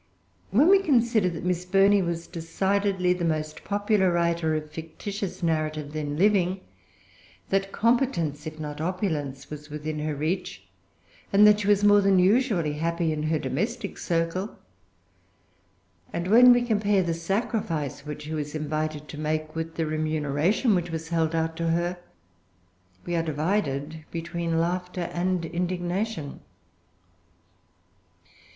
When we consider that Miss Burney was decidedly the most popular writer of fictitious narrative then living, that competence, if not opulence, was within her reach, and that she was more than usually happy in her domestic circle, and when we compare the sacrifice which she was invited to make with the remuneration which was held out to her, we are divided between laughter and indignation.